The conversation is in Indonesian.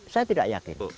saya tidak yakin